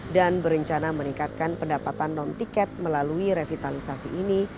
dan berencana meningkatkan pendapatan non tiket melalui revitalisasi ini